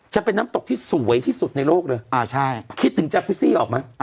จะเป็นน้ำตกที่สวยที่สุดในโลกเลยคิดถึงจากพิซี่ออกไหม